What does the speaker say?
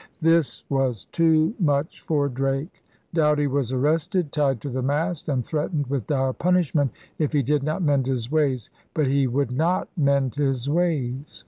This was too much for Drake. Doughty was arrested, tied to the mast, and threatened with dire punishment if he did not mend his ways. But he would not mend his ways.